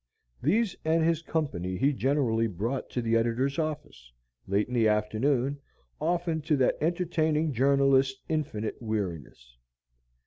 These and his company he generally brought to the editor's office, late in the afternoon, often to that enterprising journalist's infinite weariness.